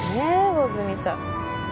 魚住さん